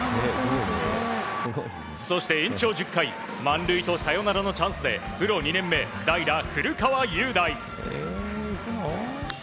そして、延長１０回満塁とサヨナラのチャンスでプロ２年目代打、古川裕大。